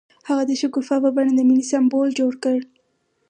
هغه د شګوفه په بڼه د مینې سمبول جوړ کړ.